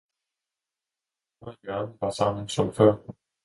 Han og Jørgen var sammen som før.